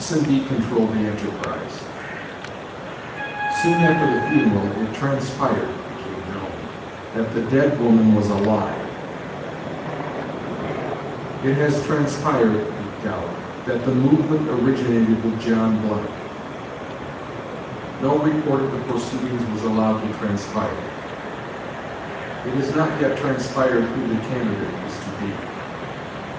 & B. control the enterprise"; "Soon after the funeral it transpired [became known] that the dead woman was alive"; "It has transpired [leaked out] that the movement originated with John Blank"; "No report of the proceedings was allowed to transpire"; "It has not yet transpired who the candidate is to be."